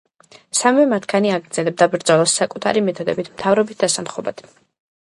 სამივე მათგანი აგრძელებდა ბრძოლას საკუთარ მეთოდებით მთავრობის დასამხობად.